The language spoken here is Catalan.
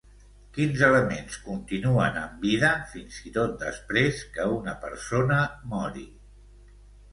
Quins elements continuen amb vida fins i tot després que una persona mori?